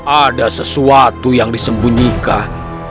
ada sesuatu yang disembunyikan